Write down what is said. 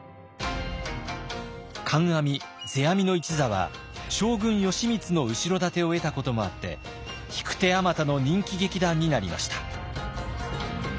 観阿弥世阿弥の一座は将軍義満の後ろ盾を得たこともあって引く手あまたの人気劇団になりました。